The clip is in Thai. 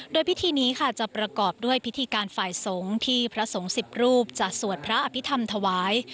โดยพิธีนี้ค่ะจะประกอบด้วยพิธีการฝ่ายสงฆ์ที่พระสงฆ์๑๐รูปจะสวดพระอภิษฐรรมถวาย